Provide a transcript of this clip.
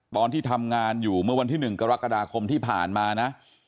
ตอนที่ทำงานอยู่เมื่อวันที่๑กรกฎาคมที่ผ่านมานะ